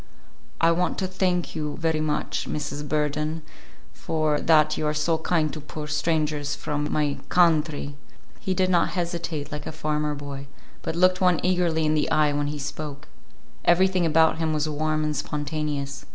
"I want to thank you very much, Mrs. Burden, for that you are so kind to poor strangers from my kawn tree." He did not hesitate like a farmer boy, but looked one eagerly in the eye when he spoke. Everything about him was warm and spontaneous.